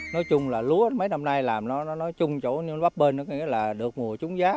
nói chung là lúa mấy năm nay làm nó nói chung chỗ bắp bên đó là được mùa trúng giá